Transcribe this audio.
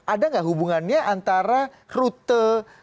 ada nggak hubungannya antara rute